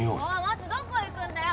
松どこ行くんだよ！